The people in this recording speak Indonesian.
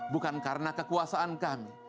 bukan karena kekuasaan kami